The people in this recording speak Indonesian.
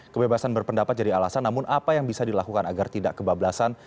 kebebasan berpendapat jadi alasan namun apa yang bisa dilakukan agar tidak kebablasan